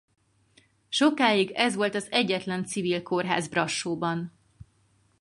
Sokáig ez volt az egyetlen civil kórház Brassóban.